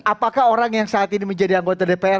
apakah orang yang saat ini menjadi anggota dpr